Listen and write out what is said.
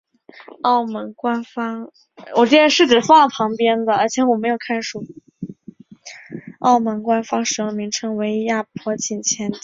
澳门官方使用的名称为亚婆井前地。